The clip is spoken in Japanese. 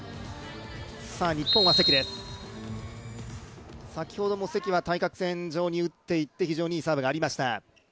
日本は関です、先ほども関は対角線上に打っていって非常にいいサーブがありました。